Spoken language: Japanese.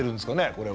これは。